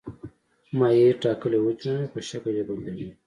مایع ټاکلی حجم لري خو شکل یې بدلوي.